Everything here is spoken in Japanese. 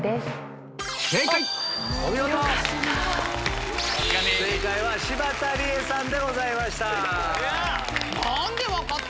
正解は柴田理恵さんでございました。